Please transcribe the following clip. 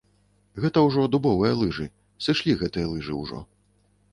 Гэта ўжо дубовыя лыжы, сышлі гэтыя лыжы ўжо.